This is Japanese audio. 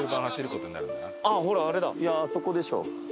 いやあそこでしょ。